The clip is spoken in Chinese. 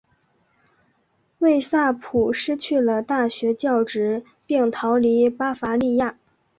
魏萨普失去了大学教职并逃离巴伐利亚。